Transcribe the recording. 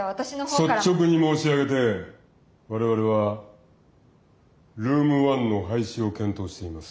率直に申し上げて我々はルーム１の廃止を検討しています。